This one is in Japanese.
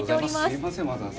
すみません、わざわざ。